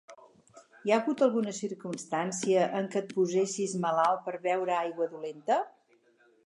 Hi ha hagut alguna circumstància en què et posessis malalt per beure aigua dolenta?